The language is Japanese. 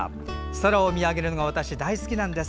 空を見上げるのが私、大好きなんです。